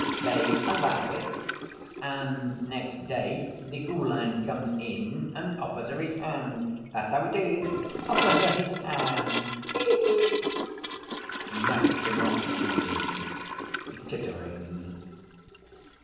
They allow it ... and next day the Uhlan comes and offers her his hand.... That's how it is ... offers her his hand, he he!" Maximov ended, tittering.